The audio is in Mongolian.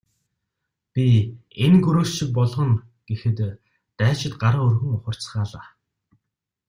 Би энэ гөрөөс шиг болгоно гэхэд дайчид гараа өргөн ухарцгаалаа.